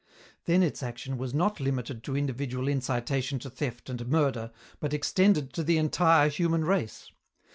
Then its action was not limited to individual incitation to theft and murder but extended to the entire human race.